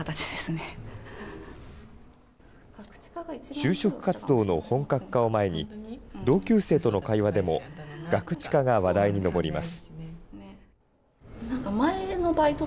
就職活動の本格化を前に、同級生との会話でもガクチカが話題に上ります。